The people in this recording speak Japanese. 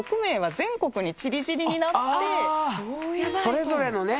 それぞれのね